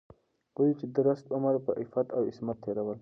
ولې چې درست عمر په عفت او عصمت تېرول